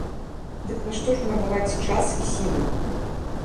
Дык нашто ж марнаваць час і сілы?